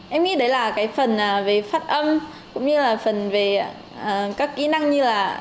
em nghĩ đấy là cái phần về phát âm cũng như là phần về các kỹ năng như là